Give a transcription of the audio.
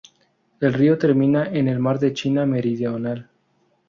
El río termina en el mar de la China Meridional.